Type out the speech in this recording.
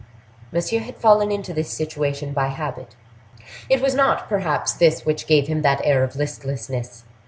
Monsieur had fallen into this situation by habit. It was not, perhaps, this which gave him that air of listlessness.